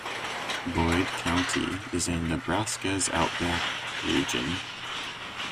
Boyd County is in Nebraska's Outback region.